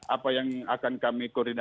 apa yang akan kami koordinasikan